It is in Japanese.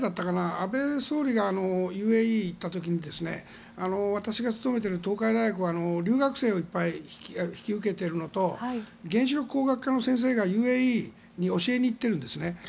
安倍総理がＵＡＥに行った時に私が務めている東海大学は留学生をいっぱい引き受けているのと原子力工学科の先生がＵＡＥに教えに行ってるんですね。